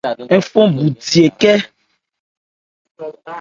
Ń fɔn bhú di nkɛ.